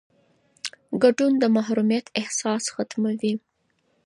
ګډون د محرومیت احساس ختموي